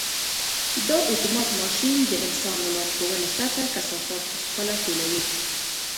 دا اتومات ماشین د انسان له لارښوونې پرته کثافات په خپله ټولوي.